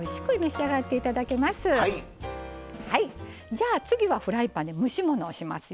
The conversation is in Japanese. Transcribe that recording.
じゃあ次はフライパンで蒸し物をしますよ。